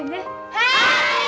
はい！